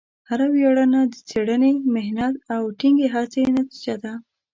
هره ویاړنه د څېړنې، محنت، او ټینګې هڅې نتیجه ده.